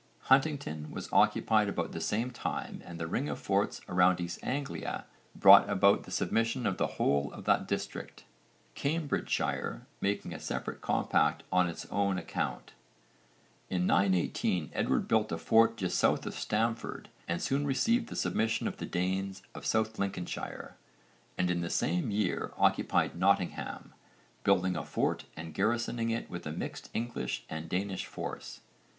Huntingdon was occupied about the same time and the ring of forts around East Anglia brought about the submission of the whole of that district, Cambridgeshire making a separate compact on its own account. In 918 Edward built a fort just south of Stamford and soon received the submission of the Danes of South Lincolnshire, and in the same year occupied Nottingham, building a fort and garrisoning it with a mixed English and Danish force.